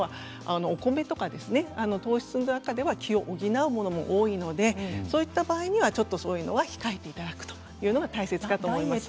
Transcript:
お米とか糖質の中では気を補うものがありますのでそういうものは控えていただくというのが大切かと思います。